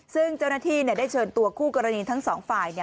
ซึ่งเจ้าหน้าที่เนี่ยได้เชิญตัวกู้กรณีทั้งสองฝ่ายเนี่ย